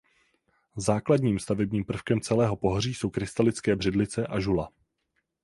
Základním stavebním prvkem celého pohoří jsou krystalické břidlice a žula.